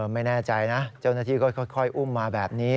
ไม่แน่ใจนะเจ้าหน้าที่ก็ค่อยอุ้มมาแบบนี้